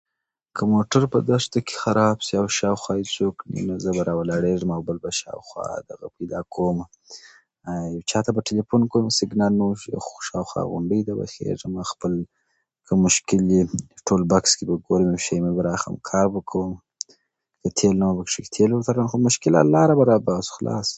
که موټر په دښته کې خراب شي او شاوخوا بل څوک نه وي، نو زه به راولاړېږمه او بل به شاوخوا [unintelligible] راپیدا کومه. چاته به تلیفون کوم، سیګنال نه ورښيي، خو شاوخوا غونډۍ ته به ورخېژمه او خپل کوم مشکل [unintelligible] کار به کوم. زیاتې به تیل ورته راوړم، مشکل ده، لاره به ورته باسو، خلاص.